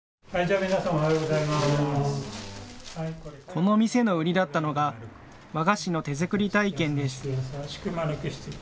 この店の売りだったのが和菓子の手作り体験です。